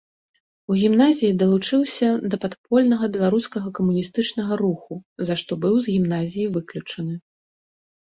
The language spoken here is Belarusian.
У гімназіі далучыўся да падпольнага беларускага камуністычнага руху, за што быў з гімназіі выключаны.